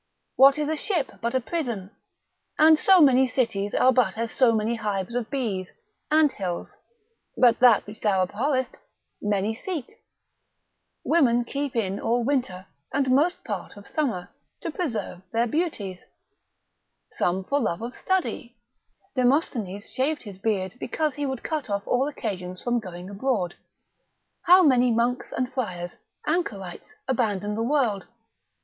What is a ship but a prison? And so many cities are but as so many hives of bees, anthills; but that which thou abhorrest, many seek: women keep in all winter, and most part of summer, to preserve their beauties; some for love of study: Demosthenes shaved his beard because he would cut off all occasions from going abroad: how many monks and friars, anchorites, abandon the world.